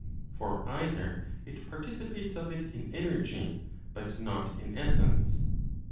For either it participates of it in energy, but not in essence.